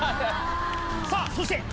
さあそして。